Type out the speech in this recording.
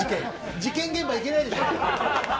事件現場に行けないでしょう。